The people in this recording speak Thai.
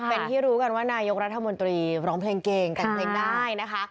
เป็นที่รู้กันว่านายกรัฐมนตรีร้องเพลงเก่งแต่งเพลงได้นะคะ